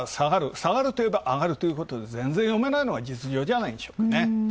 下がるといえばあがるということで、ぜんぜん読めないのが実情じゃないでしょうか。